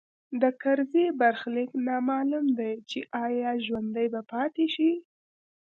د کرزي برخلیک نامعلوم دی چې ایا ژوندی به پاتې شي